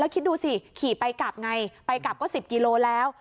คิดดูสิขี่ไปกลับไงไปกลับก็๑๐กิโลแล้ว